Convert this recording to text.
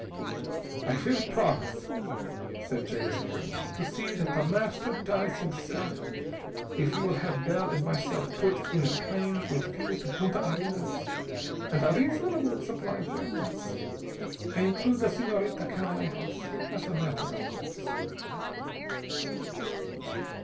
"I will promise," said Jamison grimly, "to see that The Master dies himself if you will have Bell and myself put in a plane with fuel to Punta Arenas and a reasonable supply of weapons. I include the Señorita Canalejas as a matter of course."